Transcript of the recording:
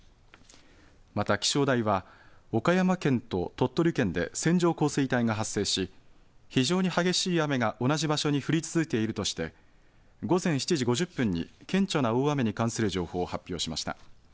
また気象台は、岡山県と鳥取県で線状降水帯が発生し、非常に激しい雨が同じ場所に降り続いているとして、午前７時５０分に、顕著な大雨に関する情報を発表しました。